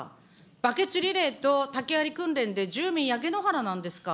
バケツリレーと、訓練で住民焼け野原なんですか。